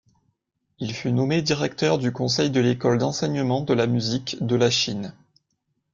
Il fut nommé directeur du conseil de l'école d'enseignement de la musique de Lachine.